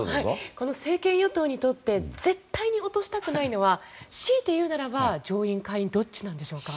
この政権与党にとって絶対に落としたくないのはしいていうならば上院・下院どちらなんでしょうか。